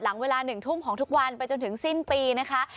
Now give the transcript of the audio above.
หลังเวลา๑ทุ่มของทุกวันไปจนถึงสิ้นปีนะคะ